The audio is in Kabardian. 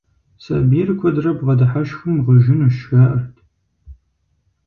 Сабийр куэдрэ бгъэдыхьэшхым, гъыжынущ, жаӀэрт.